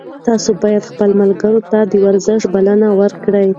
تاسي باید خپلو ملګرو ته د ورزش بلنه ورکړئ.